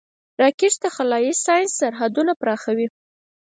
راکټ د خلایي ساینس سرحدونه پراخوي